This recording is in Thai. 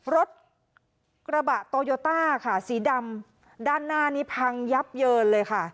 รถกระบะโตโยต้าค่ะสีดำด้านหน้านี้พังยับเยินเลยค่ะ